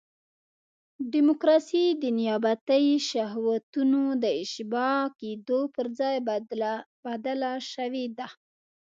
ډیموکراسي د نیابتي شهوتونو د اشباع کېدو پر ځای بدله شوې ده.